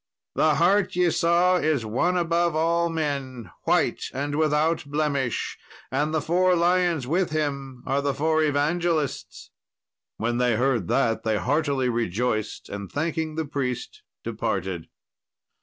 The hart ye saw is One above all men, white and without blemish, and the four lions with Him are the four evangelists." When they heard that they heartily rejoiced, and thanking the priest, departed.